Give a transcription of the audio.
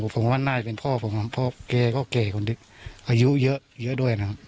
ผมว่าน่าจะเป็นพ่อผมครับเพราะแกก็แก่คนที่อายุเยอะเยอะด้วยนะครับ